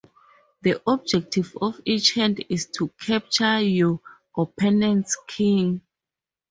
The objective of each hand is to capture your opponent's king.